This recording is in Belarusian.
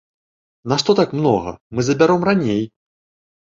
Нашто так многа, мы забяром раней.